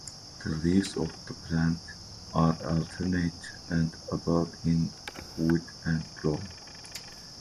The leaves of the plant are alternate and about in width and long.